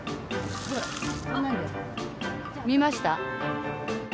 見ました？